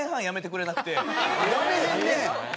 やめへんね！